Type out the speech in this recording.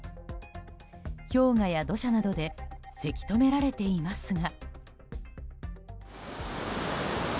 氷河や土砂などでせき止められていますが。